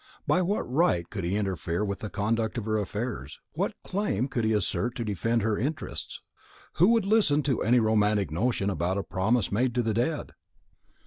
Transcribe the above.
By what right could he interfere in the conduct of her affairs? what claim could he assert to defend her interests? who would listen to any romantic notion about a promise made to the dead?